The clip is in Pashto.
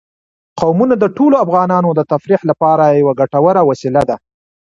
قومونه د ټولو افغانانو د تفریح لپاره یوه ګټوره وسیله ده.